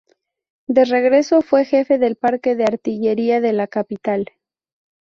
De regreso fue jefe del parque de artillería de la capital.